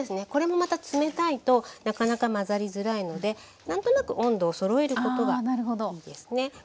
これもまた冷たいとなかなか混ざりづらいのでなんとなく温度をそろえることがいいですね。